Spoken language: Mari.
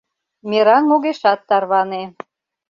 Мераҥ огешат тарване.